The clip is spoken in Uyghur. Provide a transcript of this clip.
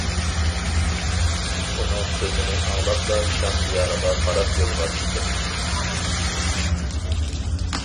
ئۇنىڭ سۆزىنى ئاڭلاپلا شام دىيارىغا قاراپ يولغا چىقتىم.